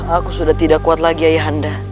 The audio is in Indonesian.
aku sudah tidak kuat lagi ayahanda